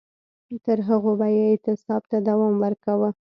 تر هغو به یې اعتصاب ته دوام ورکاوه.